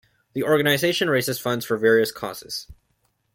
The organization raises funds for various causes.